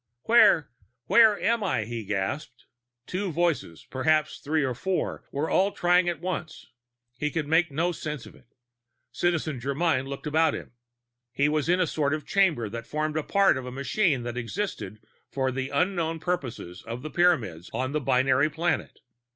"Where where am I?" he gasped. Two voices, perhaps three or four, were all talking at once. He could make no sense of it. Citizen Germyn looked about him. He was in a sort of chamber that formed a part of a machine that existed for the unknown purposes of the Pyramids on the binary planet.